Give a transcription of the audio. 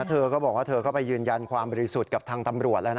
เธอก็บอกว่าเธอก็ไปยืนยันความบริสุทธิ์กับทางตำรวจแล้วนะ